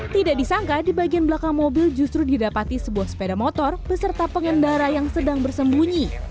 tidak disangka di bagian belakang mobil justru didapati sebuah sepeda motor beserta pengendara yang sedang bersembunyi